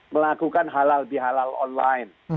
melakukan halal bihalal online